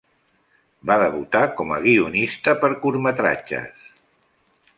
Va debutar com a guionista per curtmetratges.